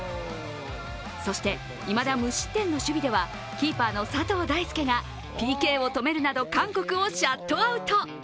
そして、いまだ無失点の守備ではキーパーの佐藤大介がＰＫを止めるなど、韓国をシャットアウト。